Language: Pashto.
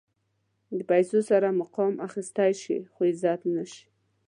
په پیسو سره مقام اخيستلی شې خو عزت نه شې.